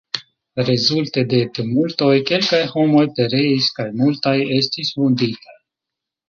Rezulte de tumultoj kelkaj homoj pereis kaj multaj estis vunditaj.